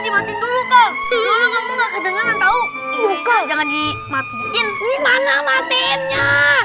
itu dulu kau jangan matiin gimana matiinnya